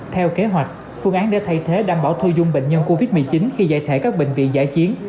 theo kế hoạch phương án để thay thế đảm bảo thư dung bệnh nhân covid một mươi chín khi giải thể các bệnh viện giải chiến